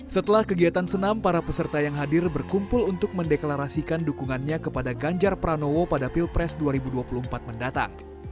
setelah kegiatan senam para peserta yang hadir berkumpul untuk mendeklarasikan dukungannya kepada ganjar pranowo pada pilpres dua ribu dua puluh empat mendatang